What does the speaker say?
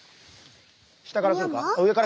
下から来るか？